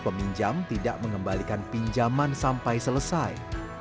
peminjam tidak mengembalikan pinjaman sampai selesai